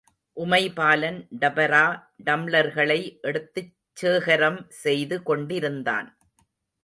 உமைபாலன் டபரா டம்ளர்களை எடுத்துச் சேகரம் செய்து கொண்டிருந்தான்.